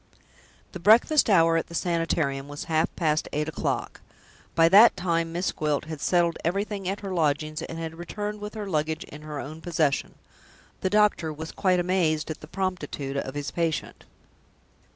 The breakfast hour at the Sanitarium was half past eight o'clock. By that time Miss Gwilt had settled everything at her lodgings, and had returned with her luggage in her own possession. The doctor was quite amazed at the promptitude of his patient.